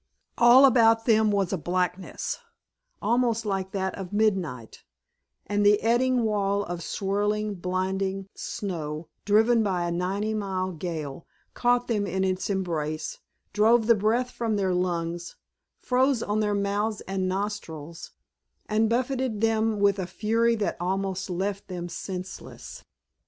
All about them was a blackness almost like that of midnight, and the eddying wall of swirling, blinding snow, driven by a ninety mile gale, caught them in its embrace, drove the breath from their lungs, froze on their mouths and nostrils, and buffeted them with a fury that almost left them senseless.